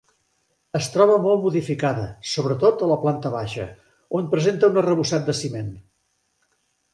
Es troba molt modificada, sobretot a la planta baixa, on presenta un arrebossat de ciment.